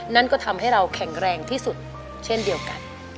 นั่นก็ทำให้เราแข็งแรงที่สุดเช่นเดียวกัน